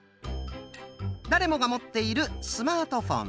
誰もが持っているスマートフォン。